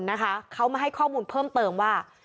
นะคะเขามาให้ข้อมูลเพิ่มเติมว่า